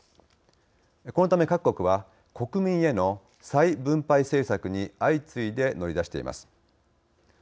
このため各国は国民への再分配政策に相次いで乗り出しています。